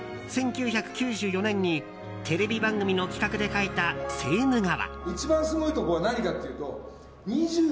１９９４年にテレビ番組の企画で描いた「セーヌ川」。